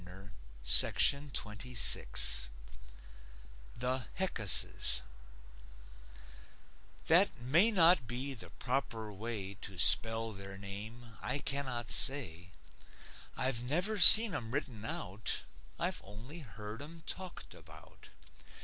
THE HECKUSES That may not be the proper way To spell their name; I cannot say. I've never seen 'em written out: I've only heard 'em talked about.